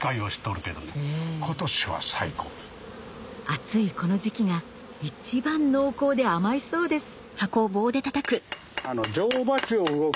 暑いこの時季が一番濃厚で甘いそうです